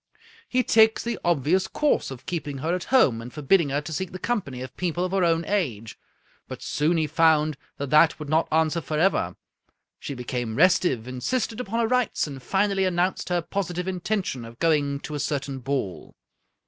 He takes the obvious course of keeping her at home, and forbidding her to seek the company of people of her own age. But soon he found that that would not answer forever. She became restive, insisted upon her rights, and finally announced her positive intention of going to a certain ball.